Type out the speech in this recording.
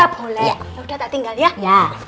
boleh ya udah tak tinggal ya